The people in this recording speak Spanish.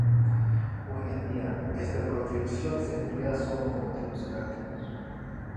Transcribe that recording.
Hoy en día esta proyección se emplea solo con motivos didácticos.